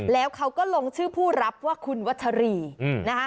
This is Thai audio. แล้วเขาก็ลงชื่อผู้รับว่าคุณวัชรีนะคะ